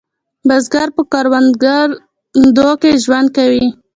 بزګر په کروندو کې ژوند کوي